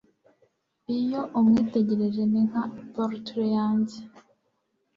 iyo umwitegereje ni nka portrait yanjye